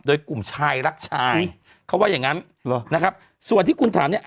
โดยกลุ่มชายรักชายเขาว่าอย่างงั้นนะครับส่วนที่คุณถามเนี่ย